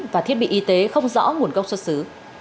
và thiết bị y tế không rõ nguồn gốc xuất xứ